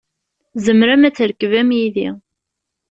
Tzemrem ad trekbem yid-i.